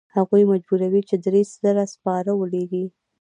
هغوی مجبوروي چې درې زره سپاره ولیږي.